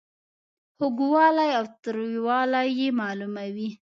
خوږوالی او تریووالی یې معلوموي.